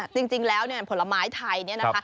จริงแล้วเนี่ยผลไม้ไทยเนี่ยนะคะ